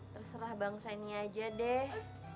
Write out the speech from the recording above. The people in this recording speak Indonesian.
terserah bang sani aja deh